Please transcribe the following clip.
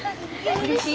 「うれしい」。